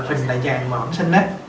trình đại dạng mà vẫn sinh á